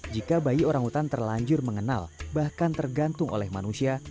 jika bayi orangutan terlanjur mengenal bahkan tergantung oleh manusia